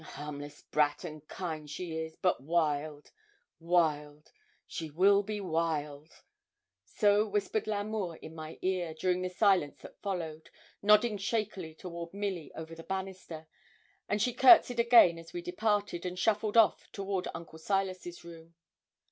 'A harmless brat, and kind she is; but wild wild she will be wild.' So whispered L'Amour in my ear, during the silence that followed, nodding shakily toward Milly over the banister, and she courtesied again as we departed, and shuffled off toward Uncle Silas's room.